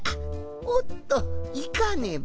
おっといかねば。